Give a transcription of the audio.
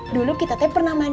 dulu kita pernah mandi